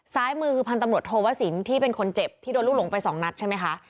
ซ้ายมือคือพันธุ์ตำรวจโทวสินที่เป็นคนเจ็บที่โดนลูกหลงไปสองนัดใช่ไหมคะ